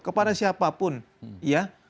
kepada siapapun ya